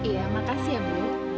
ya makasih ya bu